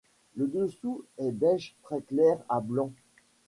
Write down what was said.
Le dessous est beige très clair à blanc.